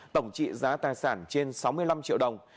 tổng trị giá tài sản trên sáu mươi năm triệu đồng